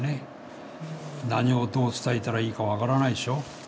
何をどう伝えたらいいか分からないでしょ